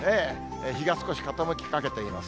日が少し傾きかけています。